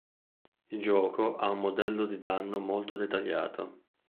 Il gioco ha un modello di danno molto dettagliato.